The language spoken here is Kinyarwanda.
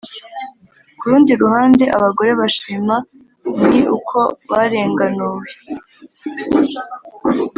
Ku rundi ruhande abagore bashima ni uko barenganuwe